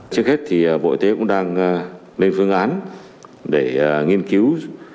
trước hết thì bộ y tế cũng đang lên phương án để nghiên cứu